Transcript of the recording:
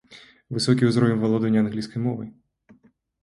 Высокі ўзровень валодання англійскай моваю.